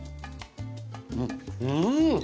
うん！